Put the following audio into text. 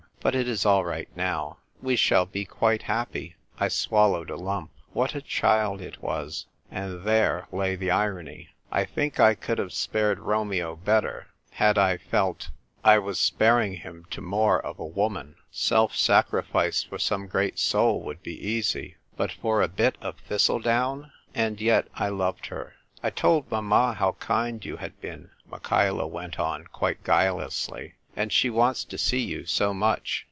But it is all right now. We shall be quite happy !" I swallowed a lump. What a child it was ! And there lay the irony. I think I could have spared Romeo better had I felt I was sparing I CLING TO THE RIGGING. 259 him to more of a woman. Self sacrifice for some great soul would be easy : but for a bit of thistle down ! And yet I loved her. " I told mamma how kind you had been," Micliacla went on, quite guilelessly, "and she wants to see you so much.